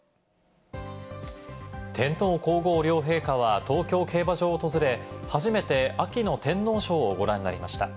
天皇皇后両陛下は東京競馬場を訪れ、初めて秋の天皇賞をご覧になりました。